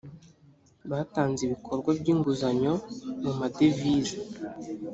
batanze ibikorwa by inguzanyo mu madevize.